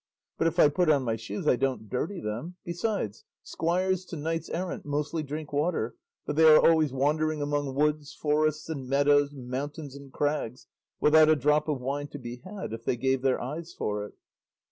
But if I put on my shoes I don't dirty them; besides, squires to knights errant mostly drink water, for they are always wandering among woods, forests and meadows, mountains and crags, without a drop of wine to be had if they gave their eyes for it."